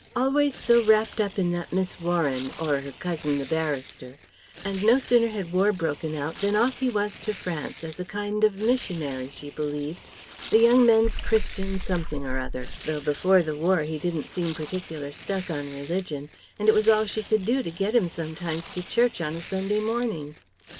"Always so wrapped up in that Miss Warren or 'er cousin the barrister." And no sooner had war broken out than off he was to France, as a kind of missionary, she believed the Young Men's Christian Something or other; "though before the War he didn't seem particular stuck on religion, and it was all she could do to get him sometimes to church on a Sunday morning.